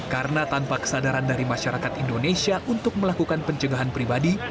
karena tanpa kesadaran dari masyarakat indonesia untuk melakukan pencegahan pribadi